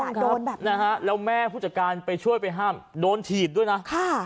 ผู้กล้องครับแล้วแม่ผู้จัดการไปช่วยไปห้ามโดนฉีดด้วยนะค่ะ